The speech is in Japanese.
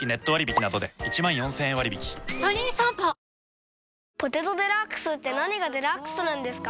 わかるぞ「ポテトデラックス」って何がデラックスなんですか？